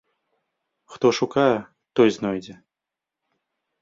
Хто шукае, той знойдзе.